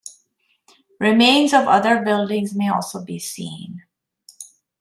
Remains of other buildings may also be seen.